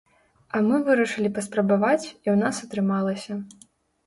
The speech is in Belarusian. А мы вырашылі паспрабаваць, і ў нас атрымалася.